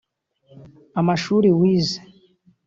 amashuri wize